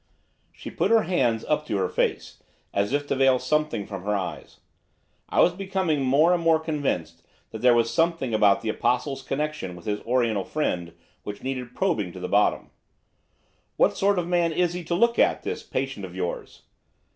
She put her hands up to her face, as if to veil something from her eyes. I was becoming more and more convinced that there was something about the Apostle's connection with his Oriental friend which needed probing to the bottom. 'What sort of a man is he to look at, this patient of yours?